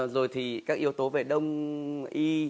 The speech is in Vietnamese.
rồi thì các yếu tố về đông y